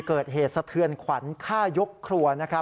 เกิดเหตุสะเทือนขวัญฆ่ายกครัวนะครับ